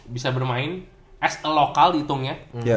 bisa bermain as a lokal dihitungnya